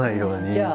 じゃあ